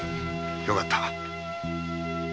よかった